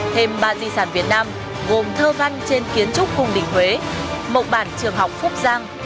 thêm ba di sản việt nam gồm thơ văn trên kiến trúc cung đỉnh huế mộc bản trường học phúc giang